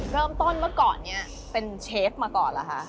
เริ่มต้นเมื่อก่อนนี้เป็นเชฟมาก่อนล่ะค่ะ